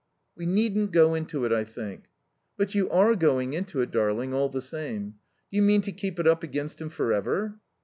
"We needn't go into it, I think." "But you are going into it, darling, all the time. Do you mean to keep it up against him for ever?"